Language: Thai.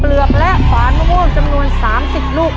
เปลือกและฝานมะม่วงจำนวน๓๐ลูก